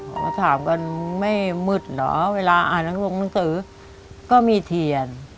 ต่อก็ถามกันไม่มึดเหรอเวลาอ่านแล้วลงหนังสือก็มีเถียน